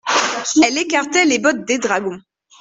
Elles écartaient les bottes des dragons.